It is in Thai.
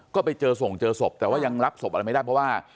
ก็ไปเจอส่งเจอศพแต่ว่ายังรับศพอะไรไม่ได้เพราะว่า